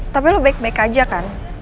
tapi lo baik baik aja kan